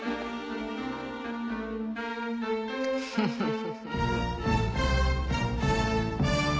フフフフ。